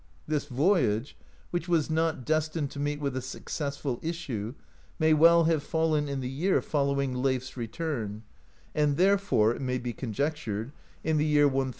This voyage, which was not destined to meet with a successful issue, may well have fallen in the year following Leif's return, and therefore, it may be conjectured, in the year 1001.